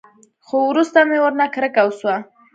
خو وروسته مې ورنه کرکه وسوه.